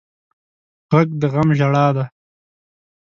غږ د غم ژړا ده